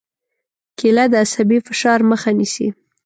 کېله د عصبي فشار مخه نیسي.